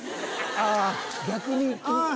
ああ逆に。